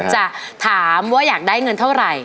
จะถามว่าอยากได้เงินเท่าไหร่